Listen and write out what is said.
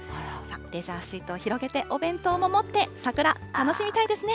レジャーシートを広げて、お弁当も持って、桜、楽しみたいですね。